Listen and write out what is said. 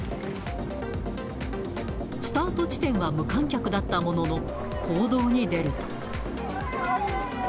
スタート地点は無観客だったものの、公道に出ると。